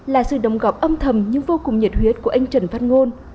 là sự đồng gọp âm thầm nhưng vô cùng nhiệt huyết của anh trần phát ngôn